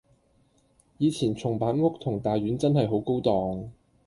以前松板屋同大丸真係好高檔